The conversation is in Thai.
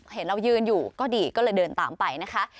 เห็นเรายืนอยู่ก็ดีก็เลยเดินตามไปนะคะ